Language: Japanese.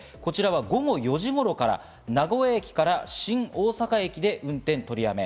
午後４時頃から名古屋駅から新大阪駅で運転取りやめ。